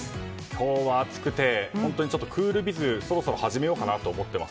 今日は暑くて、本当にクールビズそろそろ始めようかなと思っています。